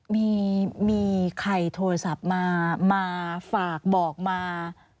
มีใครโทรศัพท์มามาฝากบอกมา